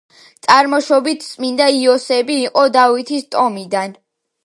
წარმოშობით წმინდა იოსები იყო დავითის ტომიდან.